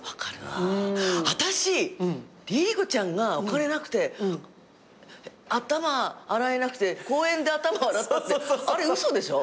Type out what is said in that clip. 私ＬｉＬｉＣｏちゃんがお金なくて頭洗えなくて公園で頭洗ったってあれ嘘でしょ？